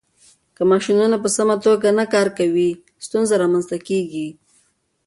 که ماشينونه په سمه توګه نه کار کوي، ستونزې رامنځته کېږي.